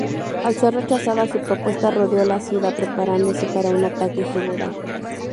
Al ser rechazada su propuesta rodeó la ciudad preparándose para un ataque general.